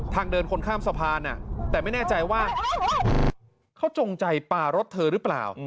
ทางเดินคนข้ามสะพานแต่ไม่แน่ใจว่าเขาจงใจปลารถเธอหรือเปล่า